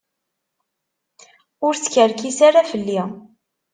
Ur skerkis ara fell-i.